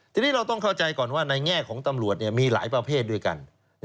ทีนี้เราต้องเข้าใจก่อนว่าในแง่ของตำรวจมีหลายประเภทด้วยกัน